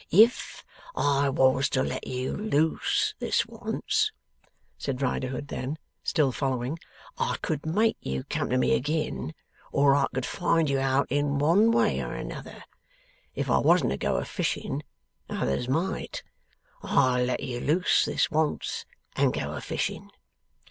'If I was to let you loose this once,' said Riderhood then, still following, 'I could make you come to me agin, or I could find you out in one way or another. If I wasn't to go a fishing, others might. I'll let you loose this once, and go a fishing!